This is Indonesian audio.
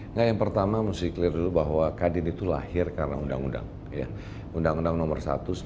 nah yang pertama mesti clear dulu bahwa kadin itu lahir karena undang undang undang undang nomor satu seribu sembilan ratus delapan puluh tujuh